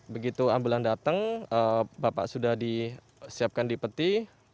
begitu ambulan datang bapak sudah disiapkan di peti